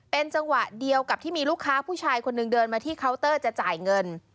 เป็นจังหวะเดียวกับที่มีลูกค้าผู้ชายคนหนึ่งเดินมาที่เคาน์เตอร์จะจ่ายเงิน